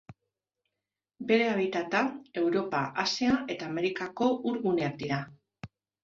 Bere habitata, Europa, Asia eta Amerikako ur guneak dira.